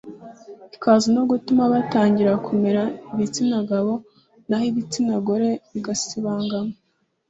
ikaza no gutuma batangira kumera ibitsina gabo naho ibitsina gore bigasibangana